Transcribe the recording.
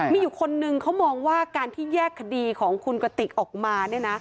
มีอยู่คนนึงเขามองว่าการที่แยกคดีของคุณกติกออกมา